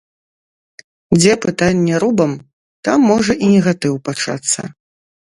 Дзе пытанне рубам, там можа і негатыў пачацца.